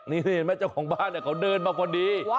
นายเห็นมั้ยเจ้าของบ้านเนี่ยขอเดินมาพอดี